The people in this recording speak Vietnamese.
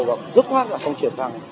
và rất khoát là không chuyển sang